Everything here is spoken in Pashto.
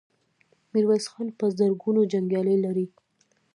ميرويس خان په زرګونو جنګيالي لري.